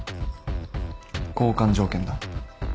交換条件だ。